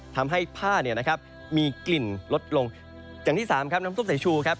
ทำให้ผ้าเนี่ยนะครับมีกลิ่นลดลงอย่างที่สามครับน้ำซุปสายชูครับ